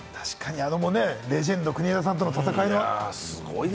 あのレジェンド・国枝さんとの戦いもね。